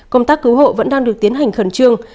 công tác cứu hộ vẫn đang được tiến hành khẩn trương